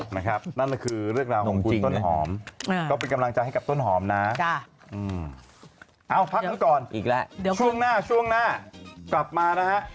นะครับนั่นก็คือเรื่องราวของคุณต้นหอมก็ไปกำลังจากให้กับต้นหอมนะอ้าวพักกันก่อนช่วงหน้าช่วงหน้ากลับมานะฮะ